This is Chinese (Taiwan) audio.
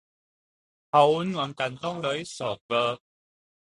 好溫暖感動的一首歌